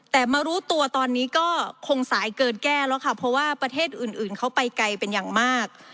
แต่มารู้ตัวตอนนี้ก็คงสายเกินแก้แล้วค่ะเพราะว่าประเทศอื่นเขาไปไกลเป็นอย่างมาก